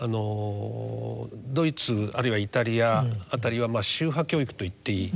ドイツあるいはイタリアあたりは宗派教育と言っていい。